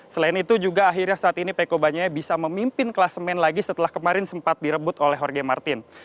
selain itu juga akhirnya saat ini peko banyaya bisa memimpin kelas main lagi setelah kemarin sempat direbut oleh jorge martin